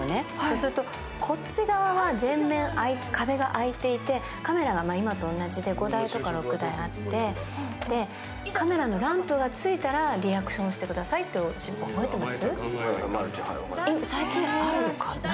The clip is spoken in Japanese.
すると、こっち側は全面壁が空いていてカメラが今と同じで５台とか６台あってカメラのランプがついたらリアクションしてくださいって、覚えてます？